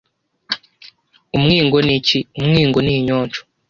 umwingo ni iki? umwingo ni inyonjo